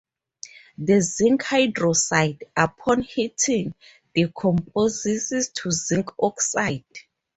The zinc hydroxide upon heating decomposes to zinc oxide.